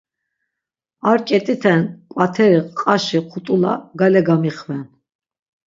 Ar k̆et̆iten ǩvateri qaşi xut̆ula gale gamixven.